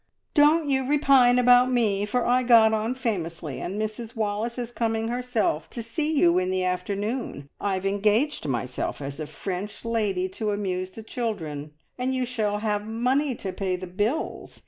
"Don't you repine about me, for I got on famously, and Mrs Wallace is coming herself to see you in the afternoon. I've engaged myself as a French lady to amuse the children, and you shall have the money to pay the bills.